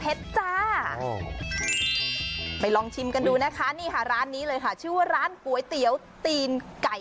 โอ้ยอยากกินจริงอยากกินจริง